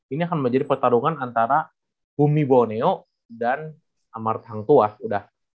ini akan menjadi pertarungan antara bumi borneo dan amartang tua udah